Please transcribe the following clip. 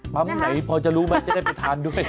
ไหนพอจะรู้ไหมจะได้ไปทานด้วย